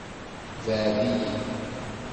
Beɛɛed-iyi.